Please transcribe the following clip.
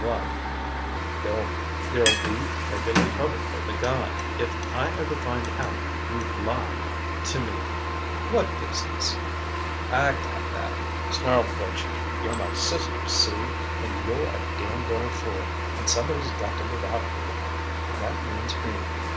"Only what?" "There'll be regular trouble for the guy, if I ever find out you've lied to me." "What business " "Ah, cut that!" snarled Butch. "You're my sister see? And you're a damn' little fool, and somebody's got to look out for you. And that means me.